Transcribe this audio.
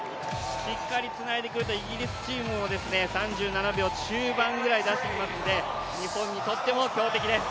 しっかりつないでくるとイギリスチームも３７秒中盤くらい出してきますので、出してきますので、日本にとっても強敵です。